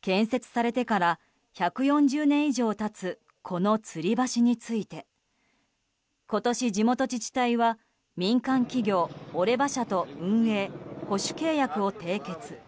建設されてから１４０年以上経つこのつり橋について今年、地元自治体は民間企業オレバ社と運営・保守契約を締結。